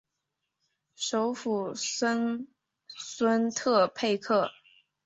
首府森孙特佩克。